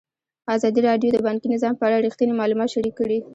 ازادي راډیو د بانکي نظام په اړه رښتیني معلومات شریک کړي.